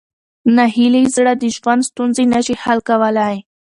ناهیلي زړه د ژوند ستونزې نه شي حل کولی.